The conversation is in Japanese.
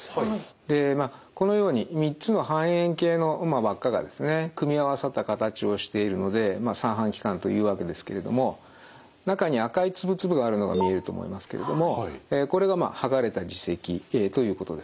でまあこのように３つの半円形の輪っかがですね組み合わさった形をしているので三半規管というわけですけれども中に赤い粒々があるのが見えると思いますけれどもこれがはがれた耳石ということです。